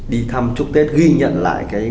đi thăm chúc tết ghi nhận lại